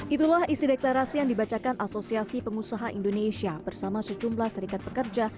itulah isi deklarasi yang dibacakan asosiasi pengusaha indonesia bersama sejumlah serikat pekerja